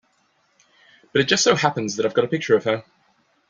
But it just so happens I've got a picture of her.